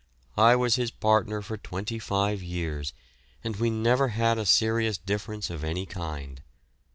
I was his partner for twenty five years and we never had a serious difference of any kind.